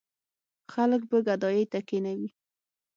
خلک به ګدايۍ ته کېنوي.